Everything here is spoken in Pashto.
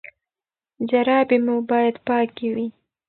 جرابې مو باید پاکې وي.